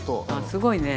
すごいね。